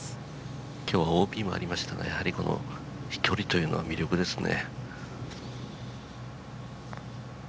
今日はＯＢもありましたが飛距離というのは魅力ですね。